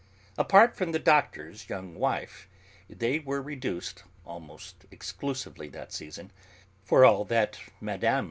Apart from the doctor's young wife, they were reduced almost exclusively that season (for all that Mme.